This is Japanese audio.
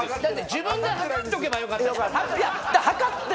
自分で測っておけばよかったじゃん。